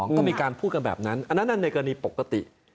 ก็มีการพูดกันแบบนั้นอันนั้นในกรณีปกติ